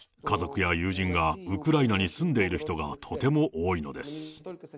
家族や友人がウクライナに住んでる人がとても多いのです。